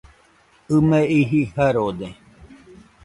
ɨ me iji Jarode